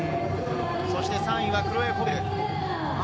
そして３位はクロエ・コベル。